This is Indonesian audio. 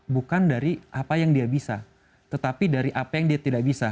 bukan dari apa yang dia bisa tetapi dari apa yang dia tidak bisa